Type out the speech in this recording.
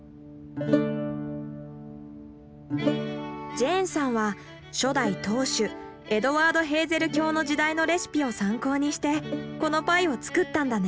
ジェーンさんは初代当主エドワード・ヘーゼル卿の時代のレシピを参考にしてこのパイを作ったんだね。